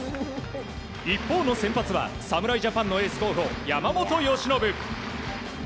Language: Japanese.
一方の先発は侍ジャパンの先発候補山本由伸。